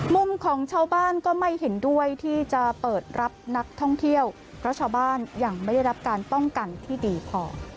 มุมของชาวบ้านก็ไม่เห็นด้วยที่จะเปิดรับนักท่องเที่ยวเพราะชาวบ้านยังไม่ได้รับการป้องกันที่ดีพอ